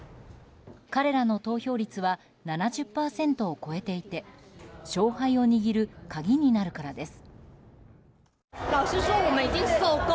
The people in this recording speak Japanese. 彼らの投票率は７０％を超えていて勝敗を握る鍵になるからです。